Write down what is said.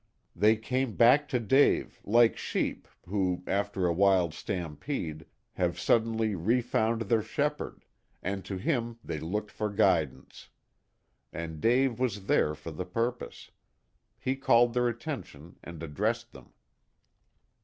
They came back to Dave, like sheep, who, after a wild stampede, have suddenly refound their shepherd, and to him they looked for guidance. And Dave was there for the purpose. He called their attention and addressed them.